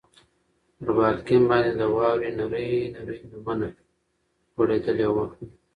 پر بالکن باندې د واورې نرۍ لمنه غوړېدلې وه.